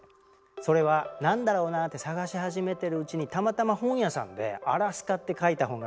それは何だろうなって探し始めてるうちにたまたま本屋さんで「アラスカ」って書いた本が目に留まったのよ。